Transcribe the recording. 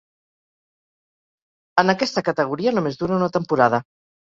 En aquesta categoria només dura una temporada.